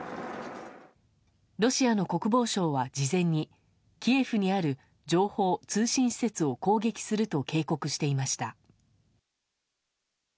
ロシアの国防省は事前にキエフにある情報・通信施設を攻撃すると警告していました。